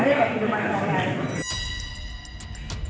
jadi gak harus beradaptasi ya biasanya di rumahnya